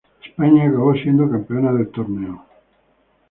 España acabó siendo campeona del torneo.